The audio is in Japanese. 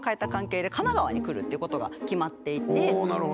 なるほど。